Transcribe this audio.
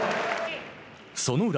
その裏。